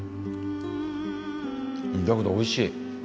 だけどおいしい。